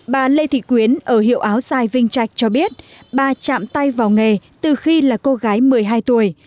bà lê thị quyến ở hiệu áo dài vinh trạch cho biết bà chạm tay vào nghề từ khi là cô gái một mươi hai tuổi